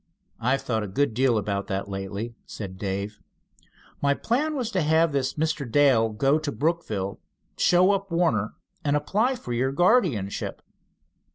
"I've thought a good deal about that lately," said Dave. "My plan was to have this Mr. Dale go to Brookville, show up Warner, and apply for your guardianship."